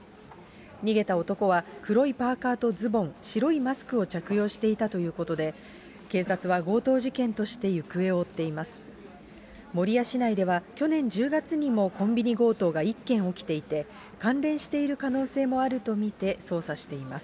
逃げた男は黒いパーカーとズボン、白いマスクを着用していたということで、警察は強盗事件として行方を追っています。